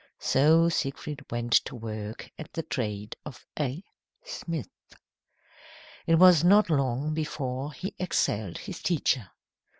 So Siegfried went to work at the trade of a smith. It was not long before he excelled his teacher.